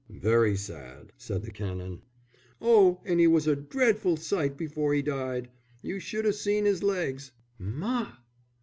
"Very sad!" said the Canon. "Oh, and 'e was a dreadful sight before 'e died. You should have seen his legs." "Ma!"